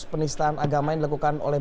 penistaan agama yang dilakukan oleh